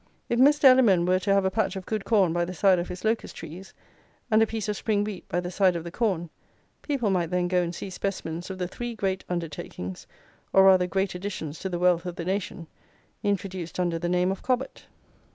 If Mr. Elliman were to have a patch of good corn by the side of his locust trees, and a piece of spring wheat by the side of the corn, people might then go and see specimens of the three great undertakings, or rather, great additions to the wealth of the nation, introduced under the name of Cobbett.